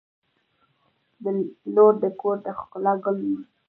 • لور د کور د ښکلا ګل وي.